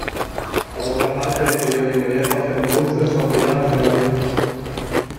Por otra parte decidió de inmediato hacer un busto de su admirada Zenobia.